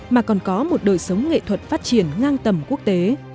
mà còn có một đời sống nghệ thuật phát triển ngang tầm quốc tế